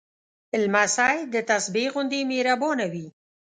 لمسی د تسبېح غوندې مهربانه وي.